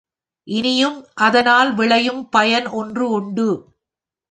இனியும் அதனால் விளையும் பயன் ஒன்று உண்டு.